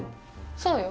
そうよ。